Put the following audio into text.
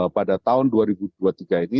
pada tahun dua ribu dua puluh tiga ini